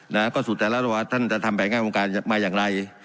นะก็สู่แต่รัฐวาสท่านจะทำแผงงานโครงการมาอย่างไร